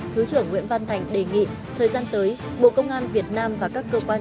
thứ trưởng nguyễn văn thành đề nghị thời gian tới bộ công an việt nam và các cơ quan